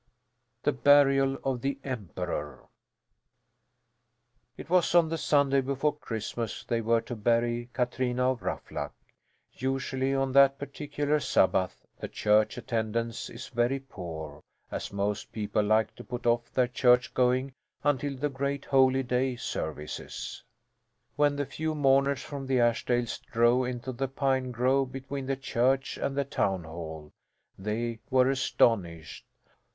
THE BURIAL OF THE EMPEROR It was on the Sunday before Christmas they were to bury Katrina of Ruffluck. Usually on that particular Sabbath the church attendance is very poor, as most people like to put off their church going until the great Holy Day services. When the few mourners from the Ashdales drove into the pine grove between the church and the town hall, they were astonished.